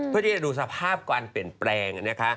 เพื่อที่จะดูสภาพกว่าอันเปลี่ยนแปลง